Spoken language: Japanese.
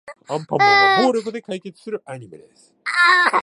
アンパンマンは暴力で解決するアニメです。